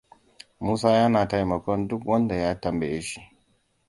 Musa yana taimakon duk wanda ya tambaye shi.